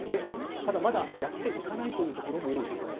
ただ、まだ、やっていかないというところも多いです。